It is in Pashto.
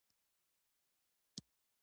له ګډ تخیل پرته انسانان وېشل شوي پاتې کېدل.